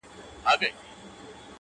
دا سر به د منصور غوندي و دار ته ور وړم